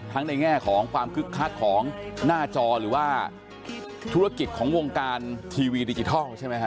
ในแง่ของความคึกคักของหน้าจอหรือว่าธุรกิจของวงการทีวีดิจิทัลใช่ไหมฮ